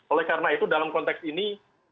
oleh karena itu dalam konteks ini